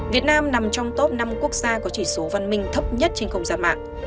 việt nam nằm trong top năm quốc gia có chỉ số văn minh thấp nhất trên công gia mạng